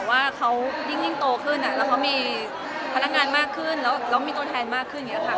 ว่าเขายิ่งโตขึ้นแล้วเขามีพนักงานมากขึ้นแล้วมีตัวแทนมากขึ้นอย่างนี้ค่ะ